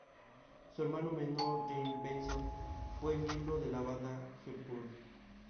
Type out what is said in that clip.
Su hermano menor Jamie Benson fue miembro de la banda "Hepburn".